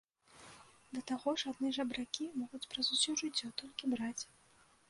Да таго ж адны жабракі могуць праз усё жыццё толькі браць.